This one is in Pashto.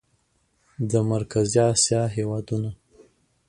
د مرکزي اسیا هېوادونه